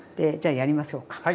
じゃやりましょうか。